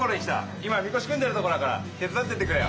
今みこし組んでるとこだから手伝ってってくれよ。